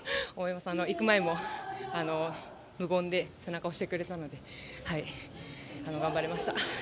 行く前も無言で背中を押してくれたので頑張れました。